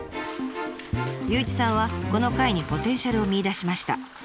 祐一さんはこの貝にポテンシャルを見いだしました。